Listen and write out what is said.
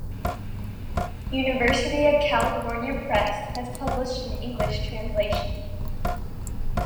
University of California Press has published an English translation.